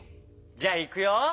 じゃあいくよ。